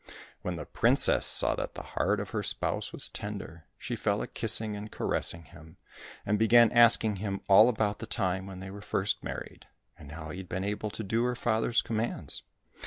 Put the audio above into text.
" When the princess saw that the heart of her spouse was tender, she fell a kissing and caressing him, and began asking him all about the time when they were first married, and how he had been able to do her father's commands.